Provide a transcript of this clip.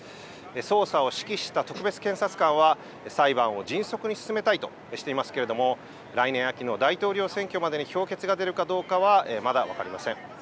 捜査を指揮した特別検察官は裁判を迅速に進めたいとしていますけれども、来年秋の大統領選挙までに評決が出るかどうかはまだ分かりません。